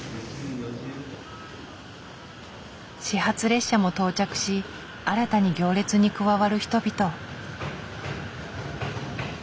始発列車も到着し新たに行列に加わる人々。